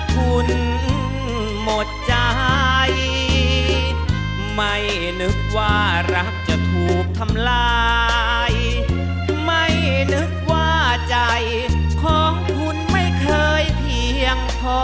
ข้ามไปเลย